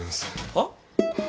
はっ？